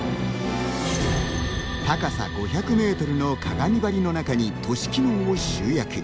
高さ５００メートルの鏡張りの中に、都市機能を集約。